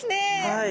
はい。